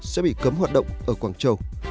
sẽ bị cấm hoạt động ở quảng châu